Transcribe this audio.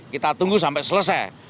kita tunggu sampai selesai